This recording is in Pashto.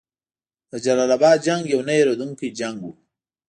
د جلال اباد جنګ یو نه هیریدونکی جنګ وو.